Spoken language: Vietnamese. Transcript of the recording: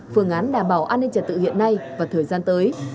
phương án đảm bảo an ninh trật tự hiện nay và thời gian tới